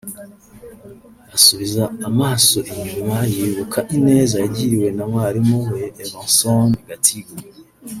asubiza amaso inyuma yibuka ineza yagiriwe na mwalimu we Evanson Gathigu